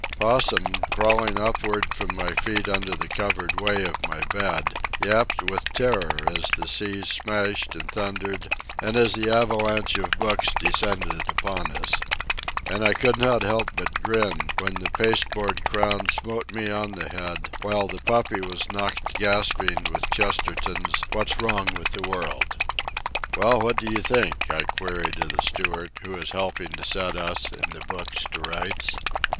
Possum, crawling upward from my feet under the covered way of my bed, yapped with terror as the seas smashed and thundered and as the avalanche of books descended upon us. And I could not but grin when the Paste Board Crown smote me on the head, while the puppy was knocked gasping with Chesterton's What's Wrong with the World? "Well, what do you think?" I queried of the steward who was helping to set us and the books to rights.